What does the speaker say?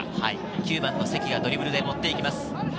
９番・積がドリブルで持っていきます。